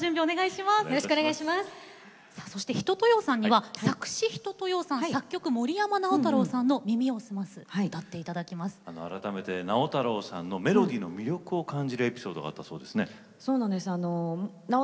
一青窈さんには作詞、一青窈さん作曲、森山直太朗さんの「耳をすます」を森山直太朗さんのメロディーの魅力を感じるエピソードがあったんですね。